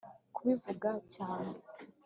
kubivuga cyane